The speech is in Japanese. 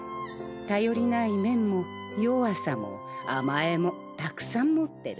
頼りない面も弱さも甘えもたくさん持ってる。